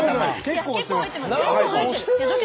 結構押してます。